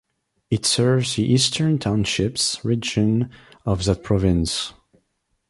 It serves the Eastern Townships region of that province.